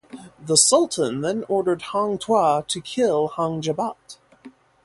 The sultan then ordered Hang Tuah to kill Hang Jebat.